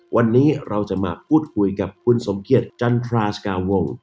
วันนี้เราจะมาพูดคุยกับคุณสมเกียจจันทราสกาวง